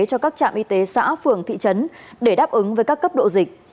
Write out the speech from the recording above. cho các trạm y tế xã phường thị trấn để đáp ứng với các cấp độ dịch